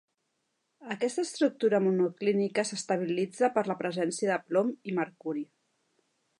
Aquesta estructura monoclínica s'estabilitza per la presència de plom i mercuri.